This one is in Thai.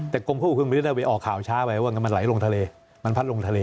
แต่กรมภูมิออกข่าวช้าไปว่ามันไหลลงทะเลมันพันลงทะเล